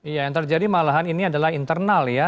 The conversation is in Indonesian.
iya yang terjadi malahan ini adalah internal ya